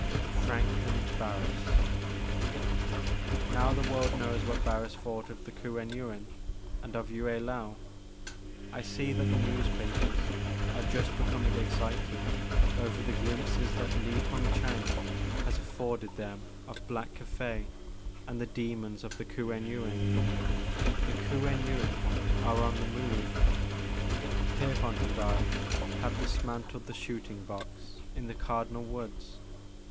Franklyn Baiuris." 78 The Maker of Moons, Now the world knows what Barris thought of the Kuen Yuin and of Yue Laou, I see that the newspapers are just becoming excited over the glimpses that Li Hung Chang has afforded them of Black Cathay and the demons of the Kuen Yuin. The Kuen Yuin are on the move. Pierpont and I have dismantled the shooting box in the Cardinal Woods.